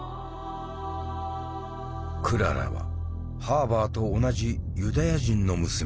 クララはハーバーと同じユダヤ人の娘だった。